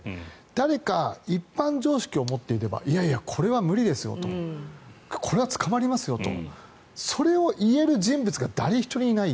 誰か一般常識を持っていればいやいや、これは無理ですよとこれは捕まりますよとそれを言える人物が誰一人いない。